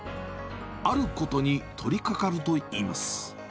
あることに取りかかるといいます。